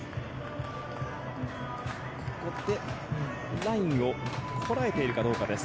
ここでラインをこらえているかどうかです。